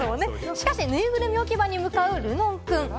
しかし、ぬいぐるみ置き場に向かう、るのんくん。